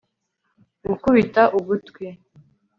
gukubita ugutwi